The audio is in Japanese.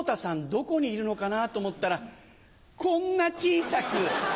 どこにいるのかなと思ったらこんな小さく。